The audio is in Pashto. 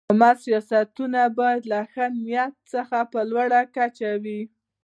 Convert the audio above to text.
عامه سیاستونه باید له ښه نیت څخه په لوړه کچه وي.